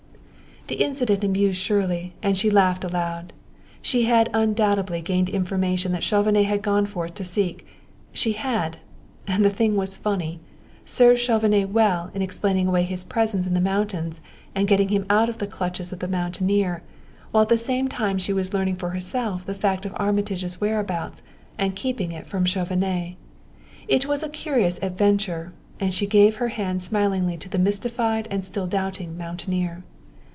The incident amused Shirley and she laughed aloud. She had undoubtedly gained information that Chauvenet had gone forth to seek; she had and the thing was funny served Chauvenet well in explaining away his presence in the mountains and getting him out of the clutches of the mountaineer, while at the same time she was learning for herself the fact of Armitage's whereabouts and keeping it from Chauvenet. It was a curious adventure, and she gave her hand smilingly to the mystified and still doubting mountaineer.